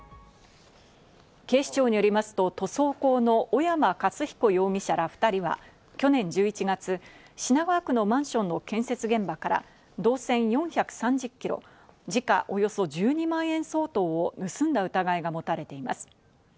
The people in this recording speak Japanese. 警視庁によりますと塗装工の小山克彦容疑者ら２人は去年１１月、品川区のマンションの建設現場から、銅線４３０キロ、時価およそ１２万円相当を盗んだ疑いが持たれています。